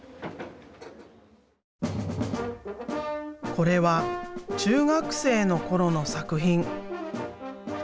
これは中学生の頃の作品。